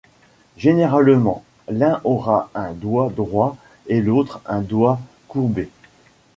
Généralement, l'un aura un doigt droit et l'autre un doigt courbé.